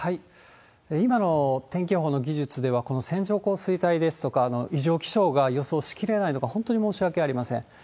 今の天気予報の技術では、この線状降水帯ですとか、異常気象が予想しきれないのが本当に申し訳ありません。